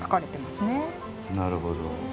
なるほど。